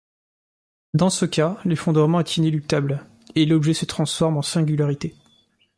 Dans ce cas, l'effondrement est inéluctable, et l'objet se transforme en singularité.